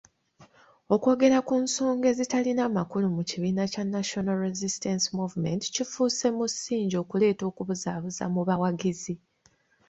Okwogera ku nsonga ezitalina makulu mu kibiina ki National Resistance Movement kifuuse musingi okuleeta okubuzaabuza mu bawagizi.